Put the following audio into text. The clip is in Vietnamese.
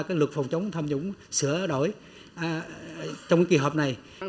cái luật phòng chống tham nhũng sửa đổi trong kỳ họp này